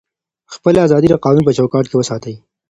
خپله ازادي د قانون په چوکاټ کي وساتئ.